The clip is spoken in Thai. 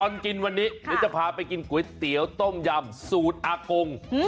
ตอนกินวันนี้เดี๋ยวจะพาไปกินก๋วยเตี๋ยวต้มยำสูตรอากง